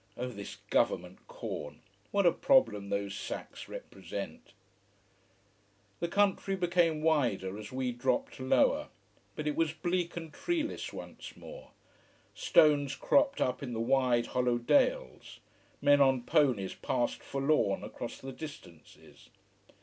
Oh this government corn! What a problem those sacks represent! The country became wider as we dropped lower. But it was bleak and treeless once more. Stones cropped up in the wide, hollow dales. Men on ponies passed forlorn across the distances.